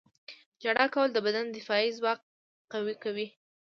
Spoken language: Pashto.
• ژړا کول د بدن دفاعي ځواک قوي کوي.